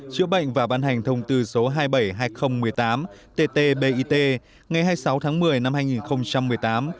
chữa bệnh và ban hành thông tư số hai mươi bảy hai nghìn một mươi tám tt bit ngày hai mươi sáu tháng một mươi năm hai nghìn một mươi tám